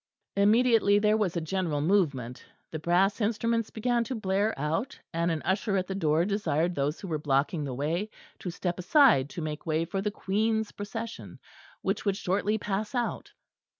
Immediately there was a general movement; the brass instruments began to blare out, and an usher at the door desired those who were blocking the way to step aside to make way for the Queen's procession, which would shortly pass out.